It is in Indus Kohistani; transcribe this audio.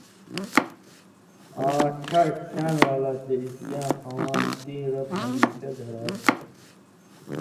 آں ٹھاٹی (شان) والا تے عِزتِیاں خواند تیں رب ہمېشہ دھرا تُھو۔